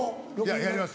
やります。